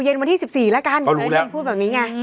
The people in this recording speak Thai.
เย็นวันที่๑๔แล้วกันเย็นพูดแบบนี้ไง